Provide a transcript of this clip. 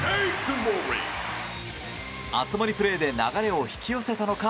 熱盛プレーで流れを引き寄せたのか。